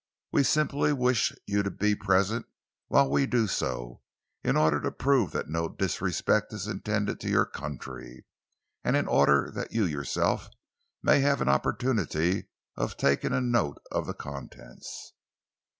We simply wish you to be present while we do so, in order to prove that no disrespect is intended to your country, and in order that you yourself may have an opportunity of taking a note of the contents."